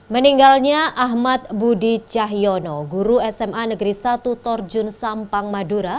meninggalnya ahmad budi cahyono guru sma negeri satu torjun sampang madura